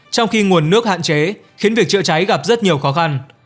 trong khi nguồn nước hạn chế khiến việc chữa cháy gặp rất nhiều khó khăn